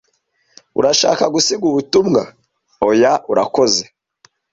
"Urashaka gusiga ubutumwa?" "Oya, urakoze."